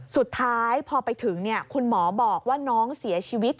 สุดท้ายพอไปถึงคุณหมอบอกว่าน้องเสียชีวิต